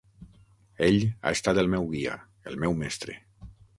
Ell ha estat el meu guia, el meu mestre.